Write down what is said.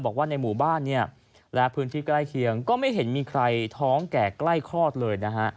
บอกว่าในหมู่บ้านเนี่ยและพื้นที่ใกล้เคียงก็ไม่เห็นมีใครท้องแก่ใกล้คลอดเลยนะฮะ